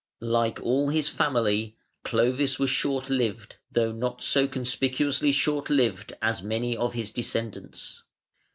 ] Like all his family, Clovis was short lived, though not so conspicuously short lived as many of his descendants.